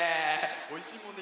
おいしいもんね。